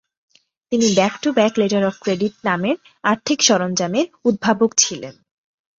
তিনি back to back letter of credit নামের আর্থিক সরঞ্জামের উদ্ভাবক ছিলেন।